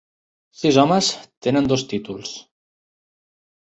Sis homes tenen dos títols.